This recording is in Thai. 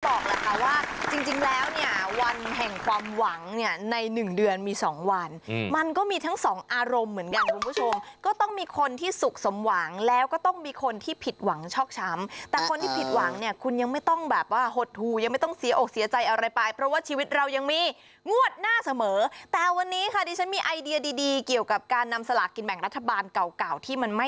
บอกแหละค่ะว่าจริงแล้วเนี่ยวันแห่งความหวังเนี่ยใน๑เดือนมี๒วันมันก็มีทั้ง๒อารมณ์เหมือนกันคุณผู้ชมก็ต้องมีคนที่สุขสมหวังแล้วก็ต้องมีคนที่ผิดหวังช็อกช้ำแต่คนที่ผิดหวังเนี่ยคุณยังไม่ต้องแบบว่าหดทูยังไม่ต้องเสียอกเสียใจอะไรไปเพราะว่าชีวิตเรายังมีงวดน่าเสมอแต่วันนี้ค่ะ